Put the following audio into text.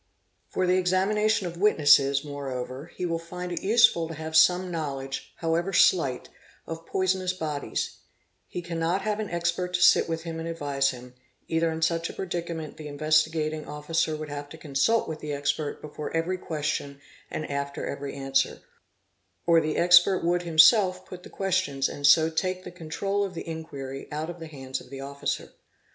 For the examination of witnesses, "moreover, he will find it useful to have some knowledge however slight, 7a 652 POISONING of poisonous bodies; he cannot have an expert to sit with him and advise him; either in such a predicament the Investigating Officer would have to consult with the expert before every question and after every answer, or the expert would himself put the questions and so take the control of the inquiry out of the hands of the officer.